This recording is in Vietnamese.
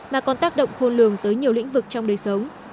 mà còn tác động khôn lường tới nhiều lĩnh vực trong đời sống